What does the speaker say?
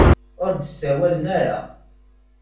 Ur d-sawalen ara.